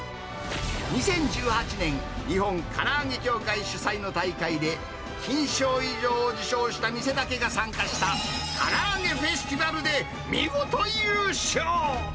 ２０１８年日本からあげ協会主催の大会で、金賞以上を受賞した店だけが参加した、からあげフェスティバルで見事優勝。